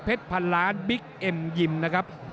พันล้านบิ๊กเอ็มยิมนะครับ